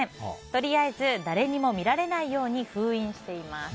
とりあえず誰にも見られないように封印しています。